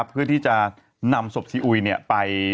เพื่อที่จะนำศพซีอุยไป